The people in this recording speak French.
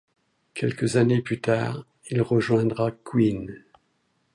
Quelques années plus tard, il rejoindra Queen.